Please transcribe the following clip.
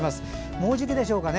もうじきでしょうかね。